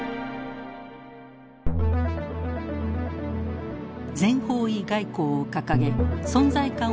全方位外交を掲げ存在感を増すトルコ。